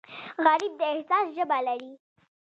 غریب د احساس ژبه لري